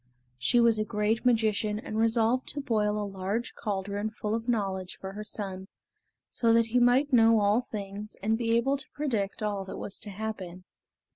She was a great magician and resolved to boil a large caldron full of knowledge for her son, so that he might know all things and be able to predict all that was to happen.